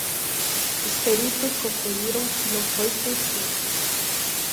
Os peritos concluiram que não foi suicídio.